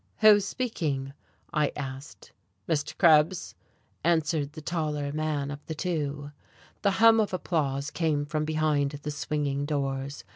"Who is speaking?" I asked. "Mr. Krebs," answered the taller man of the two. The hum of applause came from behind the swinging doors.